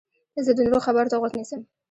زه د نورو خبرو ته غوږ نیسم.